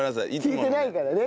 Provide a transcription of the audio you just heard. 聞いてないからね。